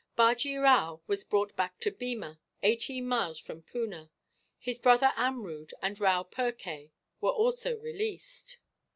Bajee Rao was brought back to Beema, eighteen miles from Poona. His brother Amrud, and Rao Phurkay, were also released.